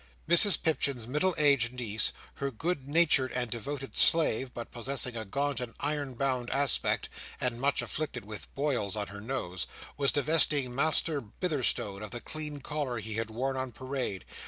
Mrs Pipchin's middle aged niece, her good natured and devoted slave, but possessing a gaunt and iron bound aspect, and much afflicted with boils on her nose, was divesting Master Bitherstone of the clean collar he had worn on parade.